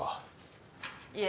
いえ。